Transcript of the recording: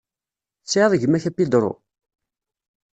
Tesɛiḍ gma-k a Pedro?